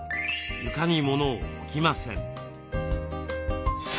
床にモノを置きません。